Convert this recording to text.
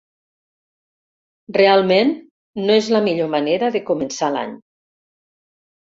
Realment no és la millor manera de començar l'any.